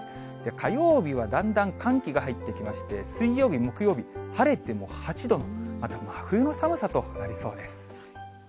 火曜日はだんだん寒気が入ってきまして、水曜日、木曜日、晴れても８度の、また真冬の寒さとなりそうです。